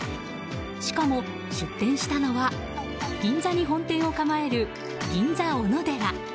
しかも出店したのは銀座に本店を構える銀座おのでら。